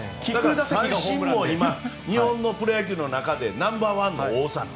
三振も今、日本のプロ野球の中でナンバーワン。